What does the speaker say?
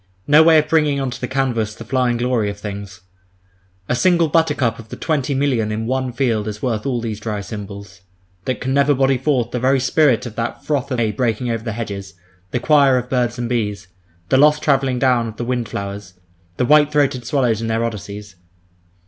No way of bringing on to the canvas the flying glory of things! A single buttercup of the twenty million in one field is worth all these dry symbols—that can never body forth the very spirit of that froth of May breaking over the hedges, the choir of birds and bees, the lost travelling down of the wind flowers, the white throated swallows in their Odysseys.